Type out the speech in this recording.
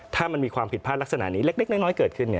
ถ้ามันมีความผิดพลาดลักษณะนี้เล็กน้อยเกิดขึ้น